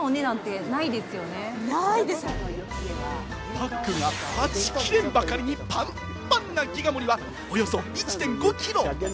パックがはちきれんばかりにパンパンなギガ盛はおよそ１．５キロ。